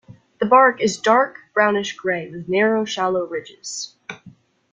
The bark is dark brownish gray with narrow, shallow ridges.